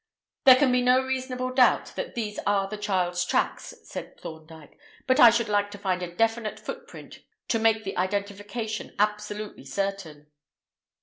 "There can be no reasonable doubt that these are the child's tracks," said Thorndyke; "but I should like to find a definite footprint to make the identification absolutely certain."